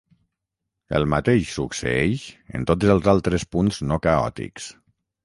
El mateix succeeix en tots els altres punts no caòtics.